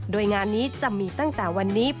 โดยงานนี้จะมีตั้งแต่วันนี้